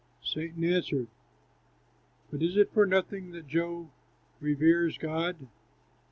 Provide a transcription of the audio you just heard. Satan answered, "But is it for nothing that Job reveres God?